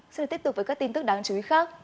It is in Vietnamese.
xin được tiếp tục với các tin tức đáng chú ý khác